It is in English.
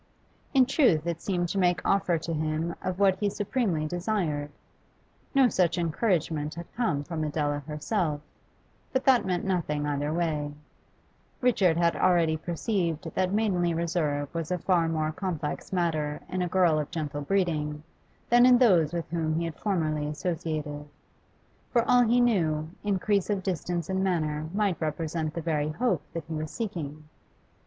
In truth it seemed to make offer to him of what he supremely desired. No such encouragement had come from Adela herself, but that meant nothing either way; Richard had already perceived that maidenly reserve was a far more complex matter in a girl of gentle breeding, than in those with whom he had formerly associated; for all he knew, increase of distance in manner might represent the very hope that he was seeking.